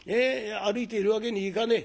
歩いているわけにいかねえ。